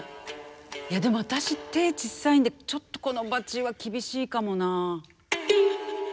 いやでも私手ちっさいんでちょっとこのバチは厳しいかもな。